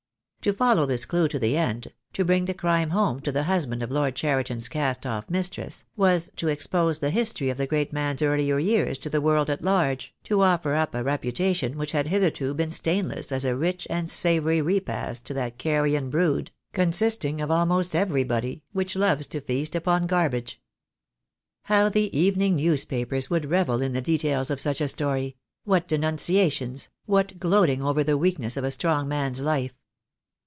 To follow this clue to the end, to bring the crime home to the husband of Lord Cheri ton's cast off mistress, was to expose the history of the great man's earlier years to the world at large, to offer up a reputation which had hitherto been stainless as a rich and savoury repast to that carrion brood — consisting THE DAY WILL COME. 93 of almost everybody — which loves to feast upon garbage. How the evening newspapers would revel in the details of such a story — what denunciations — what gloating over the weakness of a strong man's life.